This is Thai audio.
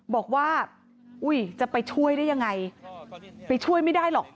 บอกว่าอุ้ยจะไปช่วยได้ยังไงไปช่วยไม่ได้หรอก